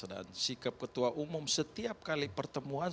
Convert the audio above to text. dan sikap ketua umum setiap kali pertemuan